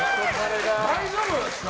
大丈夫ですか？